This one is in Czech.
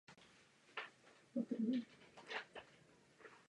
Toto podle nás i Komise ze Smlouvy jasně vyplývá.